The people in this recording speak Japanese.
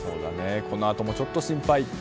このあともちょっと心配。